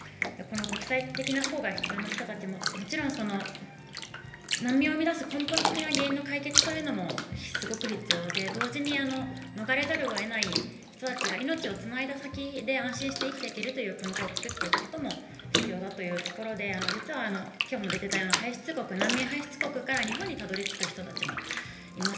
国際的な保護が必要な人たち、難民を生み出す根本的なことも解決が必要で同時に逃れざるをえない人たちが命をつないだ先で安心して生きていけるという環境をつくっていくことも必要だというところで実は、難民排出国から日本にたどり着く人たちもいます。